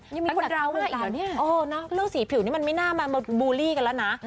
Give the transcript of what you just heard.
ยังมีคนดาวว่าเองอีกเล่าสีผิวนี้มันไม่น่ามาบูรีกันละนะ